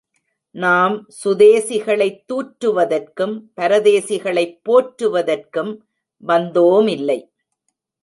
நாம் சுதேசிகளைத் தூற்றுவதற்கும் பரதேசிகளைப் போற்றுவதற்கும் வந்தோமில்லை.